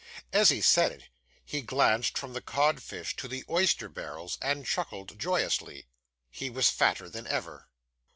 As he said it, he glanced from the cod fish to the oyster barrels, and chuckled joyously. He was fatter than ever.